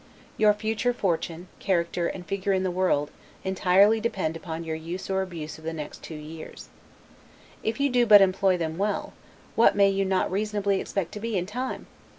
Your future fortune, character, and figure in the world, entirely depend upon your use or abuse of the two next years. If you do but employ them well, what may you not reasonably expect to be, in time?